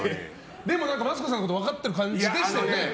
でもマツコさんのこと分かってる感じでしたね。